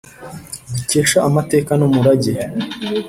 dukesha amateka n’umurage.